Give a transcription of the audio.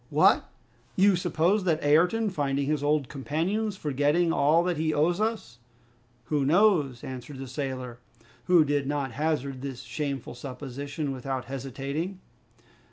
"What! you suppose that Ayrton finding his old companions, forgetting all that he owes us " "Who knows?" answered the sailor, who did not hazard this shameful supposition without hesitating.